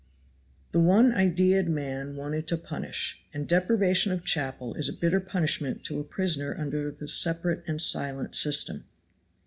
The one ideaed man wanted to punish, and deprivation of chapel is a bitter punishment to a prisoner under the separate and silent system.